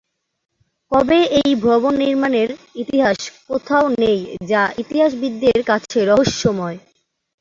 কবে এই ভবন নির্মাণের ইতিহাস কোথাও নেই যা ইতিহাসবিদদের কাছে রহস্যময়।